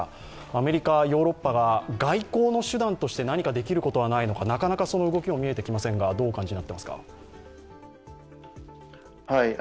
アメリカ、ヨーロッパが外交の手段として何かできることはないのかなかなかその動きも見えてきませんが、どうお感じですか？